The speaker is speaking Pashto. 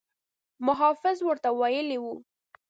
محافظ ورته ویلي وو.